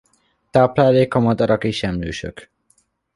Tápláléka madarak és emlősök.